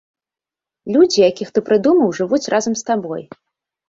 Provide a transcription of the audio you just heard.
Людзі, якіх ты прыдумаў, жывуць разам з табой.